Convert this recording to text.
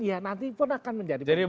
ya nanti pun akan menjadi pembentangan